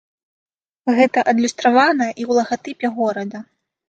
Гэта адлюстравана і ў лагатыпе горада.